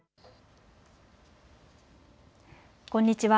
こんにちは。